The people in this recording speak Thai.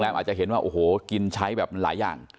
อาจจะเห็นว่าโอ้โหกินใช้แบบมันหลายอย่าง